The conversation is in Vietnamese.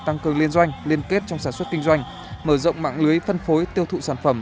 tăng cường liên doanh liên kết trong sản xuất kinh doanh mở rộng mạng lưới phân phối tiêu thụ sản phẩm